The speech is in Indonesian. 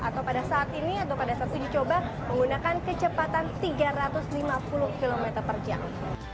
atau pada saat ini atau pada saat uji coba menggunakan kecepatan tiga ratus lima puluh km per jam